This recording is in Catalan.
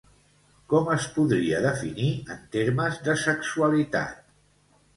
Com es podria definir, en termes de sexualitat?